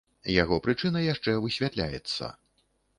Яго прычына яшчэ высвятляецца.